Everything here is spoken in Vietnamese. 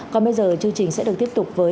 còn bây giờ chương trình sẽ được tiếp tục